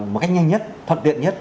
một cách nhanh nhất thuận tiện nhất